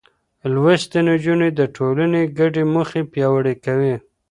لوستې نجونې د ټولنې ګډې موخې پياوړې کوي.